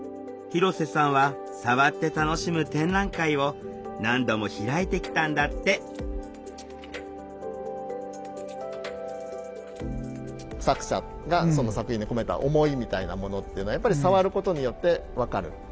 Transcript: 広瀬さんはさわって楽しむ展覧会を何度もひらいてきたんだって作者がその作品に込めた思いみたいなものっていうのはやっぱりさわることによって分かる。